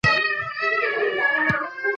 آس او تیغ هوس مې کمزوري ده.